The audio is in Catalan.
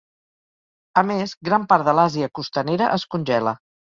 A més, gran part de l'Àsia costanera es congela.